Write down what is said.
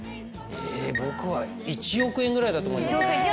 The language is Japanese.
僕は１億円ぐらいだと思いますね。